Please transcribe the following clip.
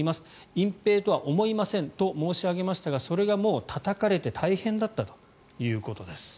隠ぺいとは思いませんと申し上げましたがそれがもうたたかれて大変だったということです。